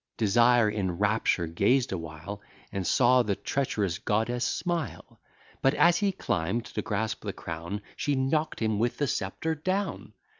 Desire, in rapture, gazed awhile, And saw the treacherous goddess smile; But as he climb'd to grasp the crown, She knock'd him with the sceptre down!